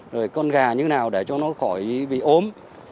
rồi con gà như thế nào để cho nó khỏi bị ốm